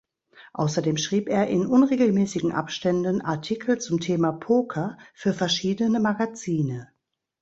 Außerdem schrieb er in unregelmäßigen Abständen Artikel zum Thema Poker für verschiedene Magazine.